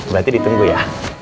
berarti ditunggu ya